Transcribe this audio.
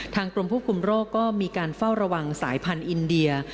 กรมควบคุมโรคก็มีการเฝ้าระวังสายพันธุ์อินเดีย